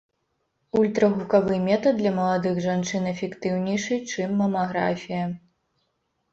Ультрагукавы метад для маладых жанчын эфектыўнейшы, чым мамаграфія.